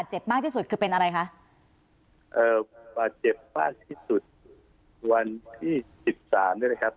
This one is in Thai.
เดี๋ยวก็ขอตรวจสอบ